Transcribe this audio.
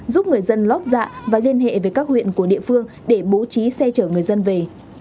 giúp người dân lót dạ và liên hệ với các huyện của địa phương để bố trí xe chở người dân về